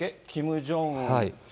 キム・ジョンウン